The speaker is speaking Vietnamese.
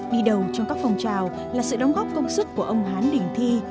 đi đầu trong các phong trào là sự đóng góp công sức của ông hán đình thi